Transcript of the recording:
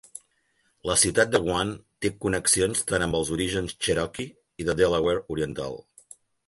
La ciutat de Wann té connexions tant amb els orígens Cherokee i de Delaware Oriental.